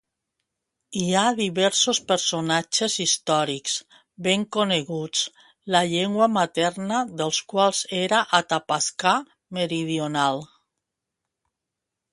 Hi ha diversos personatges històrics ben coneguts la llengua materna dels quals era atapascà meridional.